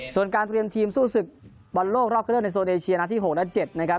ส่วนการเตรียมทีมสู้ศึกบรรโลกรอบเครื่องในโซนเอเชียหลังที๖และ๗